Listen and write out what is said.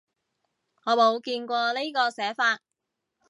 我冇見過呢個寫法